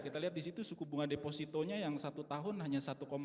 kita lihat di situ suku bunga depositonya yang satu tahun hanya satu lima